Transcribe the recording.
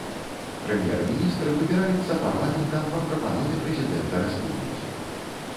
Прэм'ер-міністр выбіраецца парламентам па прапанове прэзідэнта рэспублікі.